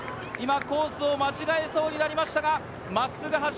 今コースを間違えそうになりました。